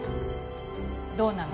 どうなの？